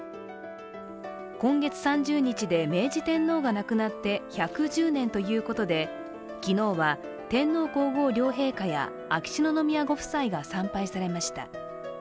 今月３０日で明治天皇が亡くなって１１０年ということで昨日は天皇・皇后両陛下や秋篠宮ご夫妻が参拝されました。